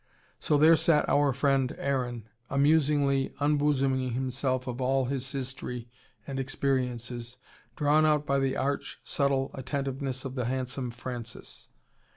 So there sat our friend Aaron, amusingly unbosoming himself of all his history and experiences, drawn out by the arch, subtle attentiveness of the handsome Francis.